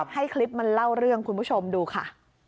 ให้คลิปมันเล่าเรื่องคุณผู้ชมดูค่ะ